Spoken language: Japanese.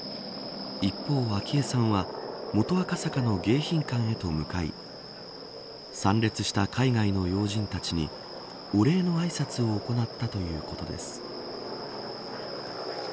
一方、昭恵さんは元赤坂の迎賓館へと向かい参列した海外の要人たちにお礼のあいさつを行ったということです。